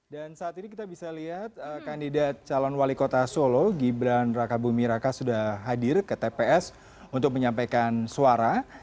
dan saat ini kita bisa lihat kandidat calon wali kota solo gibran raka bumi raka sudah hadir ke tps untuk menyampaikan suara